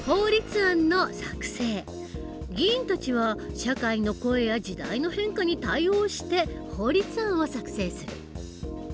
議員たちは社会の声や時代の変化に対応して法律案を作成する。